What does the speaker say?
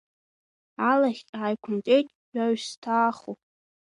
Алахь ааиқәнаҵеит иаҩсҭааху.